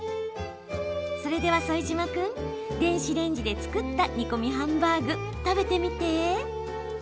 それでは副島君電子レンジで作った煮込みハンバーグ食べてみて。